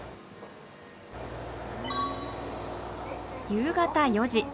夕方４時。